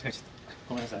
ごめんなさい。